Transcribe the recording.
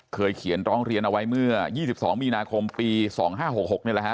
เขียนร้องเรียนเอาไว้เมื่อ๒๒มีนาคมปี๒๕๖๖นี่แหละฮะ